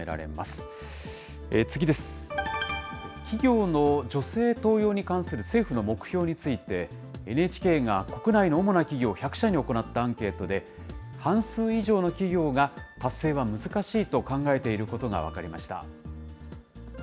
企業の女性登用に関する政府の目標について、ＮＨＫが国内の主な企業１００社に行ったアンケートで、半数以上の企業が、達成は難しいと考えていることが分かりました。